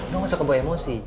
lo gak usah kebawa emosi